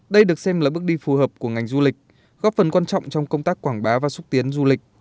đây được xem là bước đi phù hợp của ngành du lịch góp phần quan trọng trong công tác quảng bá và xúc tiến du lịch